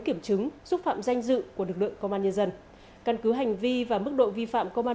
kiểm chứng xúc phạm danh dự của lực lượng công an nhân dân căn cứ hành vi và mức độ vi phạm công